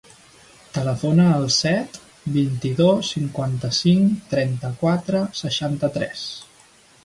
Telefona al set, vint-i-dos, cinquanta-cinc, trenta-quatre, seixanta-tres.